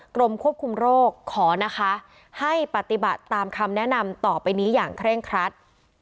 กรมควบคุมโรคขอนะคะให้ปฏิบัติตามคำแนะนำต่อไปนี้อย่างเคร่งครัด